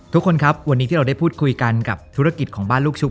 ทุกคนครับวันนี้ที่เราได้พูดคุยกันกับธุรกิจของบ้านลูกชุบ